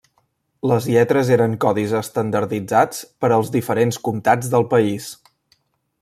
Les lletres eren codis estandarditzats per als diferents comtats del país.